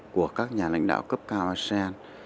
của các nhà lãnh đạo cấp cao asean